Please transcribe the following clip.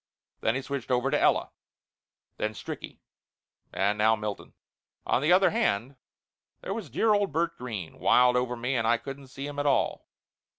Then he switched over to Ella. Then Stricky. And now Milton. On the other hand, there was dear old Bert Green, wild over me and I couldn't see him at all.